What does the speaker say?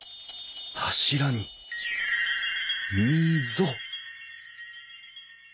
柱に溝！